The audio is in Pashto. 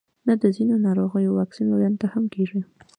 نه د ځینو ناروغیو واکسین لویانو ته هم کیږي